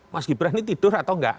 mas gibran ini tidur atau enggak